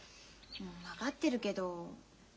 分かってるけど。